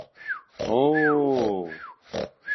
О-о-о-ү!